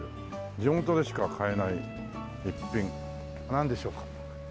「地元でしか買えない逸品」なんでしょうか？